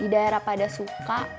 di daerah pada suka